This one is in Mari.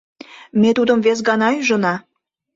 Ме тудым вес гана ӱжына.